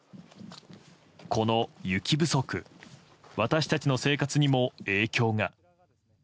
この雪不足私たちの生活にも影響が。